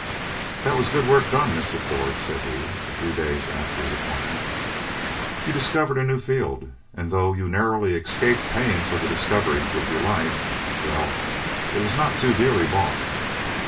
"That was a good work done, Mr. Ford," said he, a few days after his appointment. "You discovered a new field, and though you narrowly escaped paying for the discovery with your life—well, it was not too dearly bought."